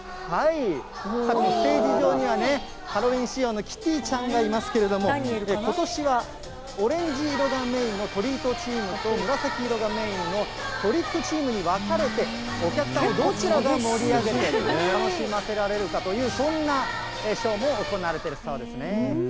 ステージ場にはね、ハロウィーン仕様のキティちゃんがいますけれども、ことしはオレンジ色がメインのトリートチームと、紫色がメインのトリックチームに分かれて、お客さんをどちらが盛り上げて、楽しませられるかという、そんなショーも行われてるそうですね。